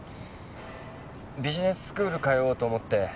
ビジネススクール通おうと思って。